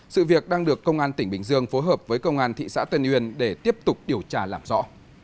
sự việc đang được công an tỉnh bình dương phối hợp với công an thị xã tân uyên để tiếp tục điều tra làm rõ